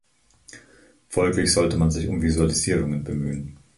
Folglich sollte man sich um Visualisierungen bemühen.